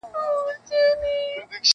هره توره- هر میدان- او تورزن زما دی-